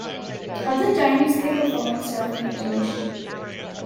Other times they perform self-mutilation.